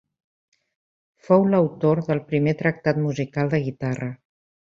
Fou l'autor del primer tractat musical de guitarra.